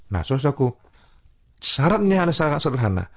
nah suruhku syaratnya adalah sangat sederhana